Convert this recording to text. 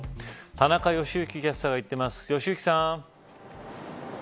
田中良幸キャスターが行っています。